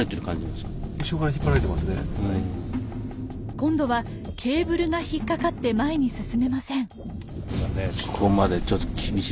今度はケーブルが引っ掛かって前に進めません。